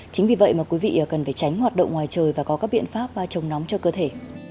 chính vì vậy mà quý vị cần phải tránh hoạt động ngoài trời và có các biện pháp chống nóng cho cơ thể